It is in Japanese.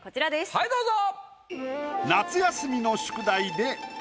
はいどうぞ。